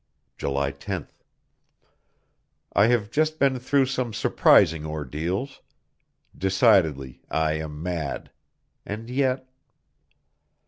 July 10th. I have just been through some surprising ordeals. Decidedly I am mad! And yet!